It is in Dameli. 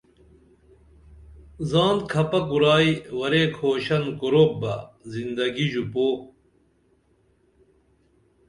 زان کھپہ کُورائی ورے کھوشن کوروپ بہ زندگی ژوپو